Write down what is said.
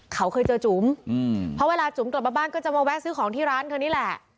เขาเคยเจอจุ๋มเพราะเวลาจุ๋มกลับมาบ้านก็จะมาแวะซื้อของที่ร้านเธอนี่แหละ